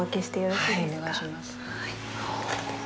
はい、お願いします。